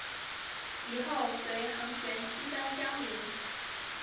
及后随桓玄西奔江陵。